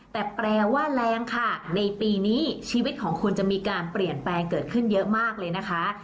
แต่แปลว่าแรงค่ะในปีนี้ชีวิตของคุณจะมีการเปลี่ยนแปลงเกิดขึ้นเยอะมากเลยนะคะ